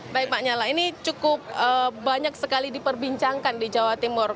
baik pak nyala ini cukup banyak sekali diperbincangkan di jawa timur